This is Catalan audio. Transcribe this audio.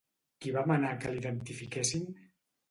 Qui va manar que l'edifiquessin?